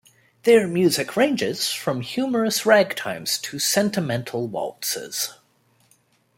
Their music ranges from humorous ragtimes to sentimental waltzes.